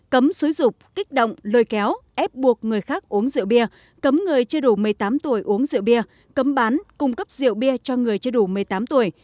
cấm xúi rục kích động lôi kéo ép buộc người khác uống rượu bia cấm người chưa đủ một mươi tám tuổi uống rượu bia cấm bán cung cấp rượu bia cho người chưa đủ một mươi tám tuổi